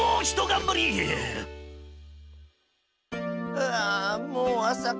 ふあもうあさか。